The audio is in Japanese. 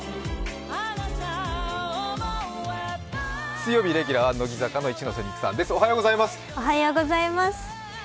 水曜日レギュラーは乃木坂の一ノ瀬美空さんです。